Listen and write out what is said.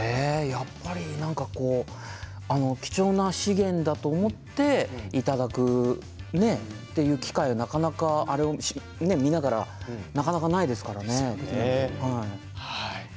やっぱりなんか貴重な資源だと思っていただくという機会、なかなかあれを見ながらなかなかないですからね。